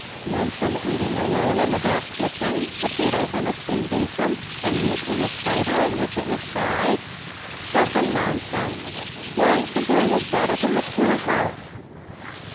Lonesome eating alone in the back kitchen, potatoes in a tin basin and meat in the spider in which it was fried .' Stuff and nonsense ! Why, the boy was brought up in the poorhouse